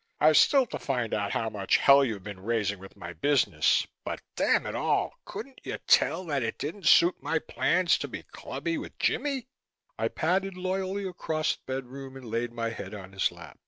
I've still to find out how much hell you've been raising with my business, but damn it all!!! Couldn't you tell that it didn't suit my plans to be clubby with Jimmie?" I padded loyally across the bedroom and laid my head on his lap.